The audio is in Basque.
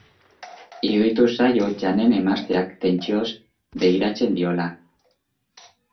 Iruditu zaio Janen emazteak tentsioz begiratzen diola.